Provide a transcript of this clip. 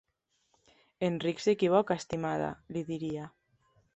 "En Rick s'equivoca, estimada", li diria.